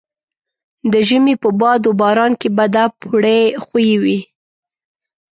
د ژمي په باد و باران کې به دا پوړۍ ښویې وې.